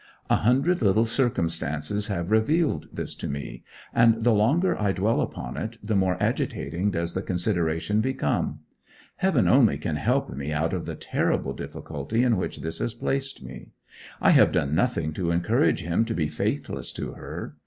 A hundred little circumstances have revealed this to me, and the longer I dwell upon it the more agitating does the consideration become. Heaven only can help me out of the terrible difficulty in which this places me. I have done nothing to encourage him to be faithless to her.